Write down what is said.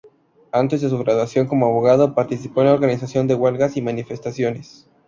Antes de su graduación como abogado, participó en la organización de huelgas y manifestaciones.